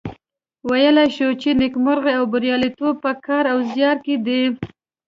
ویلای شو چې نیکمرغي او بریالیتوب په کار او زیار کې دي.